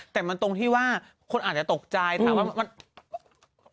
แต่มันตรงที่ว่าคนอาจจะตกใจถามว่ามัน